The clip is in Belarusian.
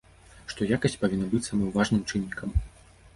Што якасць павінна быць самым важным чыннікам.